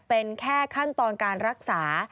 เป็นแค่ขั้นตอนการรักษา